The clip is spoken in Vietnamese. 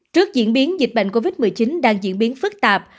trước diễn biến dịch bệnh covid một mươi chín đang diễn biến phức tạp